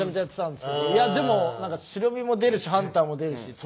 でも、忍も出るしハンターも出るし。